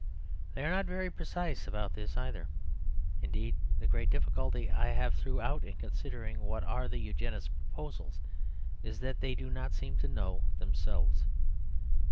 They are not very precise about this either; indeed, the great difficulty I have throughout in considering what are the Eugenist's proposals is that they do not seem to know themselves.